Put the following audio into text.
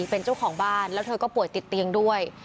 เป็นเจ้าของบ้านแล้วเธอก็ป่วยติดเตียงด้วย